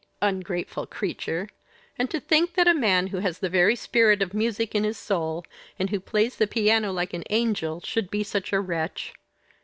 "Ungrateful creature! And to think that a man who has the very spirit of music in his soul, and who plays the piano like an angel, should be such a wretch!